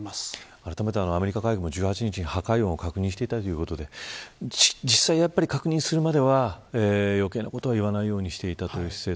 あらためてアメリカ海軍も１８日に破壊音を確認していたということで実際に確認するまでは余計なことは言わないようにしていたという姿勢